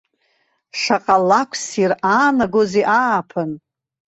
Шаҟа лакә ссир аанагозеи ааԥын!